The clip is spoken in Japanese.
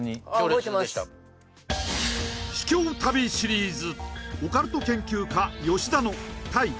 秘境旅シリーズ